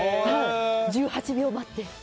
１８秒待って。